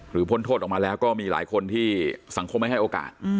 พ้นโทษออกมาแล้วก็มีหลายคนที่สังคมไม่ให้โอกาส